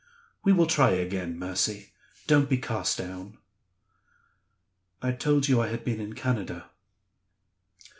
'We will try again, Mercy; don't be cast down.' I told you I had been in Canada?"